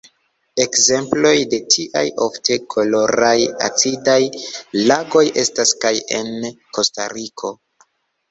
Ekzemploj de tiaj ofte koloraj acidaj lagoj estas kaj en Kostariko.